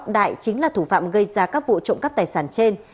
đại chính là thủ phạm gây ra các vụ trộm cắp tài sản trên